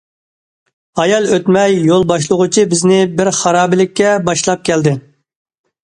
ھايال ئۆتمەي، يول باشلىغۇچى بىزنى بىر خارابىلىككە باشلاپ كەلدى.